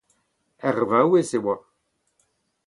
Ur vaouez e oa.